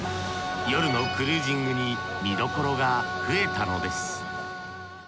夜のクルージングに見どころが増えたのです